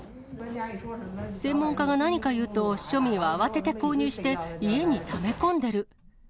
専門家が何か言うと、庶民は慌てて購入して、家にため込んでる。